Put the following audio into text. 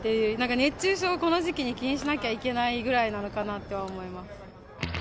熱中症、この時期に気にしなきゃいけないぐらいなのかなとは思います。